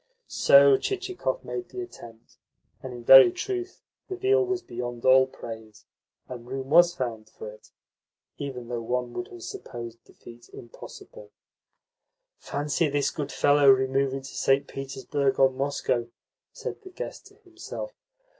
So Chichikov made the attempt; and in very truth the veal was beyond all praise, and room was found for it, even though one would have supposed the feat impossible. "Fancy this good fellow removing to St. Petersburg or Moscow!" said the guest to himself.